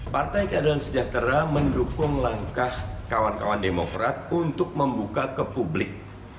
partai keadilan sejahtera mendukung langkah kawan kawan demokrat untuk membuka ke publik